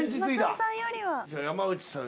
じゃあ山内さん。